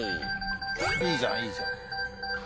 いいじゃんいいじゃん。